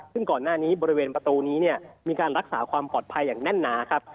ซึ่งก่อนหน้านี้บริเวณประตูนี้เนี่ยมีการรักษาความปลอดภัยอย่างแน่นหนาครับ